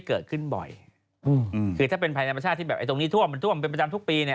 เกิดขึ้นบ่อยคือถ้าเป็นภัยธรรมชาติที่แบบไอตรงนี้ท่วมมันท่วมเป็นประจำทุกปีเนี่ย